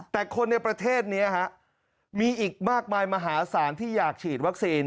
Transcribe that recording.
แต่คนในประเทศนี้มีอีกมากมายมหาศาลที่อยากฉีดวัคซีน